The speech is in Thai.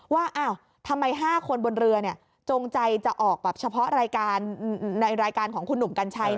ว่าทำไม๕คนบนเรือจงใจจะออกเฉพาะรายการของคุณหนุ่มกัญชัย